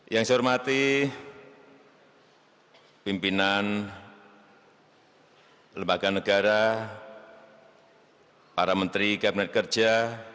yang saya hormati pimpinan lembaga negara para menteri kabinet kerja